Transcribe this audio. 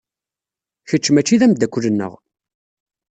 Kečč mačči d ameddakel-nneɣ.